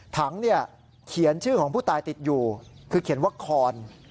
ถังเนี่ยเขียนชื่อของผู้ตายติดอยู่คือเขียนว่าคอน